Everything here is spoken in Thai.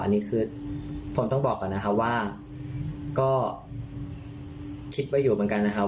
อันนี้คือผมต้องบอกก่อนนะครับว่าก็คิดไว้อยู่เหมือนกันนะครับ